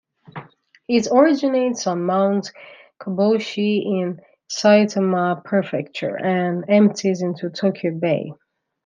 It originates on Mount Kobushi in Saitama Prefecture, and empties into Tokyo Bay.